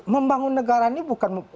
membangun negara ini bukan